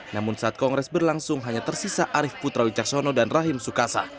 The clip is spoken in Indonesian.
namun saat kongres berlangsung hanya tersisa arief putra wicaksono dan rahim sukasa